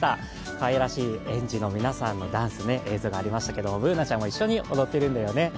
かわいらしい園児の皆さんのダンスの映像がありましたけれども、Ｂｏｏｎａちゃんも一緒に踊ってるんだよね。